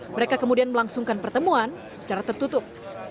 mereka kemudian melangsungkan pertemuan secara tertutup